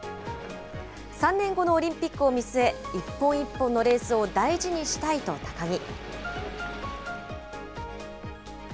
３年後のオリンピックを見据え、一本一本のレースを大事にしたいと高木。